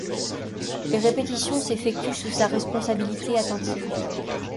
Les répétitions s'effectuent sous sa responsabilité attentive.